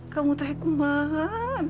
kamu teh kemana